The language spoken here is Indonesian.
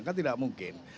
kan tidak mungkin